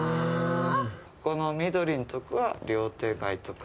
この緑のとこが料亭街とか。